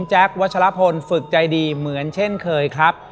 วัชลพลฝึกใจดีเหมือนเช่นเคยครับ